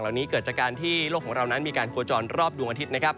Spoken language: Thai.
นี้เกิดจากการที่โลกของเรานั้นมีการโคจรรอบดวงอาทิตย์นะครับ